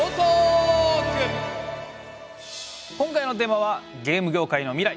今回のテーマは「ゲーム業界の未来」。